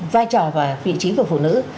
vai trò và vị trí của phụ nữ